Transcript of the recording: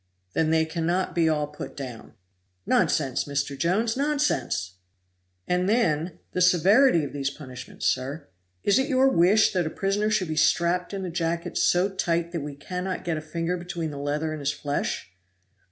"Then they cannot be all put down." "Nonsense, Mr. Jones, nonsense!" "And, then, the severity of these punishments, sir! Is it your wish that a prisoner should be strapped in the jacket so tight that we cannot get a finger between the leather and his flesh?"